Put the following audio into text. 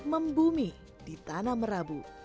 membumi di tanah merabu